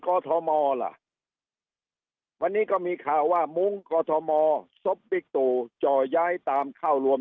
ก่อธโมล่ะวันนี้ก็มีข่าวว่ามุงกฎมอสภวิปตูเจ้าย้ายตามเข้ารวม